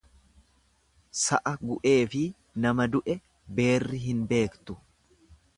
Sa'a gu'eefi nama du'e beerri hin beektu.